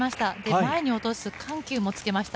前に落とす緩急もつけました。